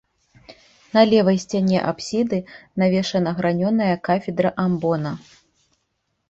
На левай сцяне апсіды навешана гранёная кафедра амбона.